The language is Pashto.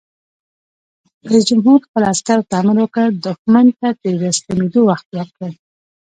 رئیس جمهور خپلو عسکرو ته امر وکړ؛ دښمن ته د تسلیمېدو وخت ورکړئ!